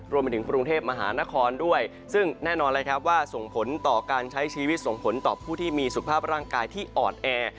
รวมไปถึงกรุงเทพมหานครด้วยซึ่งแน่นอนเลยครับว่าส่งผลต่อการใช้ชีวิตส่งผลต่อผู้ที่มีสุขภาพร่างกายที่อ่อนแอ